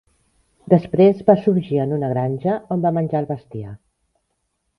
Després va sorgir en una granja, on va menjar el bestiar.